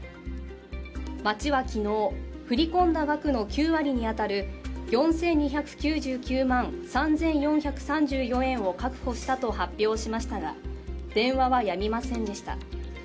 町は昨日、振り込んだ額の９割に当たる４２９９万３４３４円を確保したと発表しましたが、電話はやみませんでした。